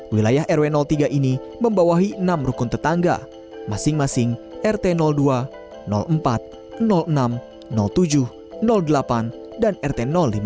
wilayah rw tiga ini membawahi enam rukun tetangga masing masing rt dua empat enam tujuh delapan dan rt lima